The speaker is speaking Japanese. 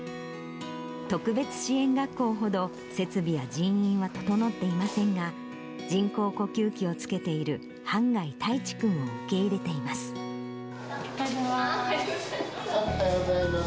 特別支援学校ほど設備や人員は整っていませんが、人工呼吸器をつけている半谷大知君を受け入れています。